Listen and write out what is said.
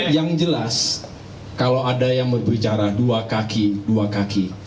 yang jelas kalau ada yang berbicara dua kaki